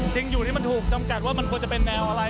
จริงอยู่ที่มันถูกจำกัดว่ามันควรจะเป็นแนวอะไร